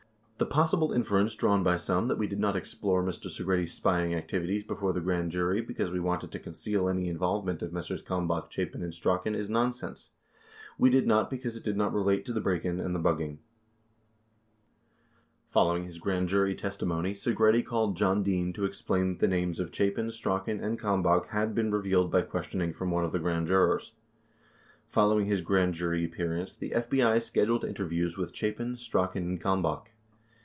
The possible inference drawn by some that we did not explore Mr. Segretti's spying activities before the grand jury because we wanted to conceal any involvement of Messrs. Kalmbach, Chapin, and Strachan is nonsense. We did not because it did not relate to the break in and the bugging. 51 Following his grand jury testimony Segretti called John Dean to explain that the names of Chapin, Strachan, and Kalmbach had been revealed by questioning from one of the grand jurors. 52 Fol lowing his grand jury appearance, the FBI scheduled interviews with Chapin, Strachan, and Kalmbach.